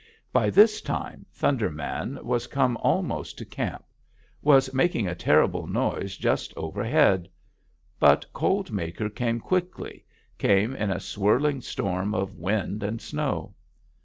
By this time Thunder Man was come almost to camp; was making a terrible noise just overhead. But Cold Maker came quickly, came in a whirling storm of wind and snow.